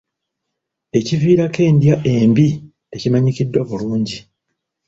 Ekiviirako endya embi tekimanyikiddwa bulungi